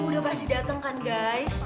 udah pasti datang kan guys